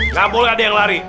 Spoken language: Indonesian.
nggak boleh ada yang lari